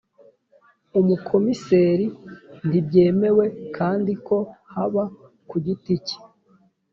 Umukomiseri ntibyemewe kandi ko haba ku giti cye